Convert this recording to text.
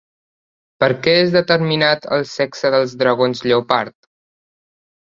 Per què és determinat el sexe dels dragons lleopard?